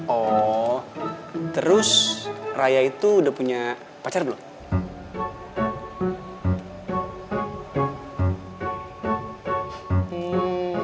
oh terus raya itu udah punya pacar belum